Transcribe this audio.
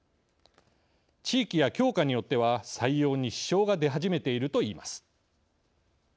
地域や教科によっては採用に支障が出始めているといいます。